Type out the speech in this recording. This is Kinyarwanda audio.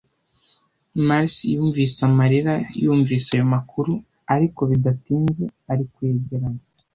Marcy yumvise amarira yumvise ayo makuru, ariko bidatinze arikwegeranya.